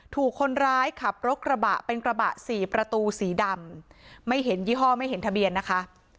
ถูกคนร้ายขับรถกระบะเป็นกระบะสี่ประตูสีดำไม่เห็นยี่ห้อไม่เห็นทะเบียนนะคะ